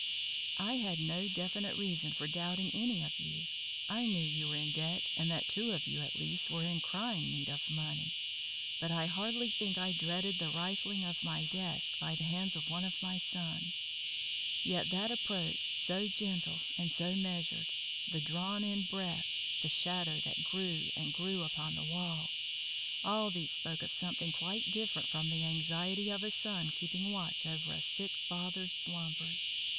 I had no definite reason for doubting any of you. I knew you were in debt and that two of you at least were in crying need of money, but I hardly think I dreaded the rifling of my desk by the hands of one of my sons. Yet that approach so gentle and so measured! the drawn in breath! the shadow that grew and grew upon the wall! all these spoke of something quite different from the anxiety of a son keeping watch over a sick father's slumbers.